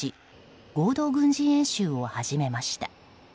合同軍事演習を始めました。